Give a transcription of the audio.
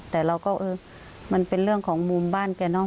แต่เราก็เออมันเป็นเรื่องของมุมบ้านแกเนาะ